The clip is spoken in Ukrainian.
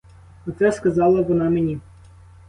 Оце сказала вона мені!